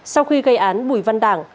sau khi gây án bùi văn đảng